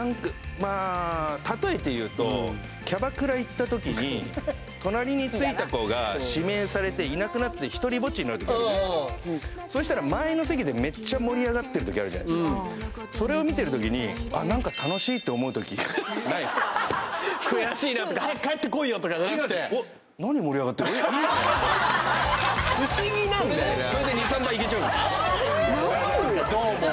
まあ例えて言うと隣についた子が指名されていなくなってひとりぼっちになるときあるじゃないですかそしたら周りの席でめっちゃ盛り上がってるときあるじゃないですかそれを見てるときになんか楽しいって思うときないですか悔しいなとか早く帰ってこいよとかじゃなくて不思議なんだよなそれで２３杯いけちゃうマジで？